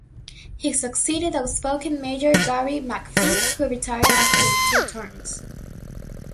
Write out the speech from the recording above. He succeeded outspoken mayor Gary McPhee who retired after two-terms.